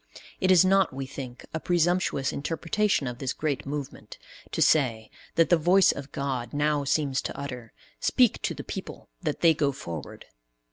It is not, we think, a presumptuous interpretation of this great movement, to say, that the voice of God now seems to utter "Speak to the people that they go forward."